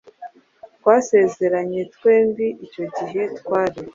Twasezeranye twembi icyo gihe twari